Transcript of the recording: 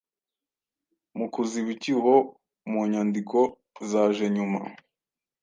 mu kuziba icyuho mu nyandiko zaje nyuma